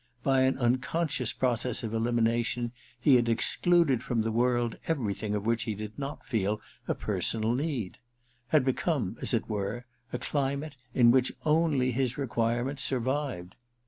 By an unconscious process of elimination he had excluded from the world everything of which he did not feel a personal need : had become, as it were, a climate in which only his own requirements survived.